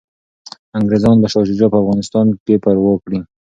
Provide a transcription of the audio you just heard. انګریزان به شاه شجاع په افغانستان کي پرواک کړي.